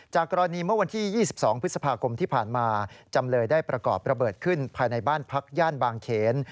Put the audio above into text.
กรณีเมื่อวันที่๒๒พฤษภาคมที่ผ่านมาจำเลยได้ประกอบระเบิดขึ้นภายในบ้านพักย่านบางเขน